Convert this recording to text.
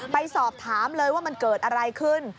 ไปสอบถามเลยว่ามันเกิดอะไรขึ้น